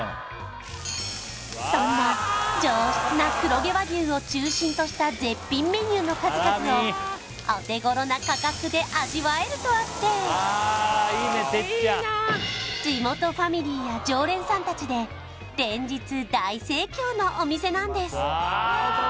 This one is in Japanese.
そんな上質な黒毛和牛を中心とした絶品メニューの数々をお手頃な価格で味わえるとあって地元ファミリーや常連さんたちで連日大盛況のお店なんです